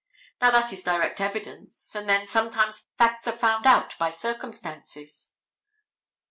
Now, that is direct evidence and then sometimes facts are found out by circumstances.